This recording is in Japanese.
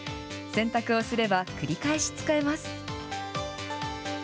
洗濯をすれば、繰り返し使えます。